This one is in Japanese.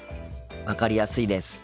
分かりやすいです。